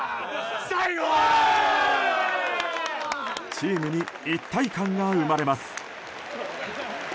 チームに一体感が生まれます。